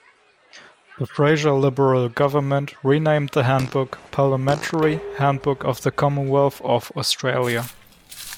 The Fraser Liberal government renamed the Handbook Parliamentary Handbook of the Commonwealth of Australia.